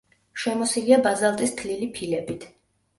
შემოსილია ბაზალტის თლილი ფილებით.